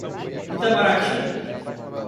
Itamarati